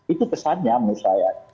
itu kesannya menurut saya